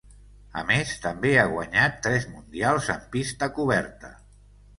A més, també ha guanyat tres mundials en pista coberta.